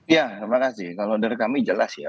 ya terima kasih kalau dari kami jelas ya